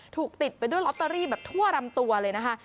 ถูกติดไปด้วยลอตเตอรี่แบบทั่วรำตัวเลยนะคะ